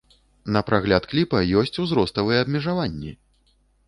На прагляд кліпа ёсць узроставыя абмежаванні!